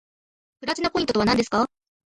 プラチナポイントとはなんですか